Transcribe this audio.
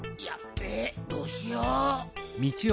べえどうしよう。